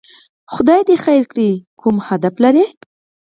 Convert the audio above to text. خدای دې خیر کړي، کومه موخه لري؟